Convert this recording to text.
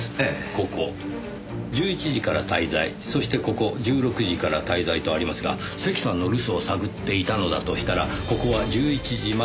ここ「１１時から滞在」そしてここ「１６時から滞在」とありますが関さんの留守を探っていたのだとしたらここは「１１時まで不在」